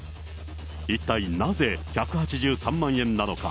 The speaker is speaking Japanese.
一体なぜ、１８３万円なのか。